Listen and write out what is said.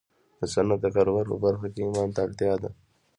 د صنعت د کاروبار په برخه کې ايمان ته اړتيا ده.